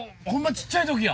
ちっちゃいときや。